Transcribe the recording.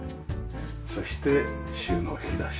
そして収納引き出し。